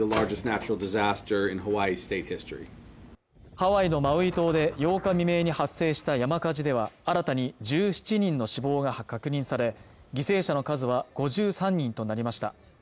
ハワイのマウイ島で８日未明に発生した山火事では新たに１７人の死亡が確認され犠牲者の数は５３人となりました